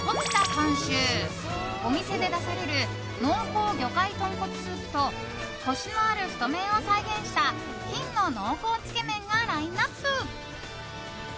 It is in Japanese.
監修お店で出される濃厚魚介豚骨スープとコシのある太麺を再現した金の濃厚つけめんがラインアップ。